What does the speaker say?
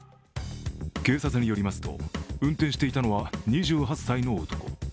警察によりますと運転していたのは２８歳の男。